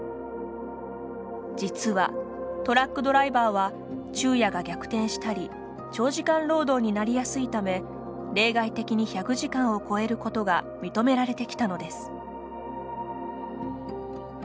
実は、トラックドライバーは昼夜が逆転したり長時間労働になりやすいため例外的に１００時間を超えることが認められてきたのです。